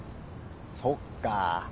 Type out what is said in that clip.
そっか